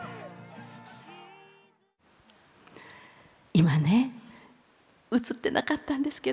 今ね映ってなかったんですけど